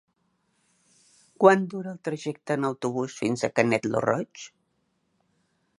Quant dura el trajecte en autobús fins a Canet lo Roig?